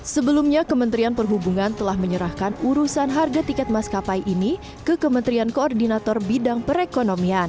sebelumnya kementerian perhubungan telah menyerahkan urusan harga tiket maskapai ini ke kementerian koordinator bidang perekonomian